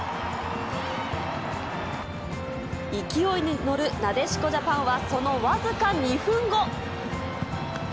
勢いに乗るなでしこジャパンは、そのわずか２分後。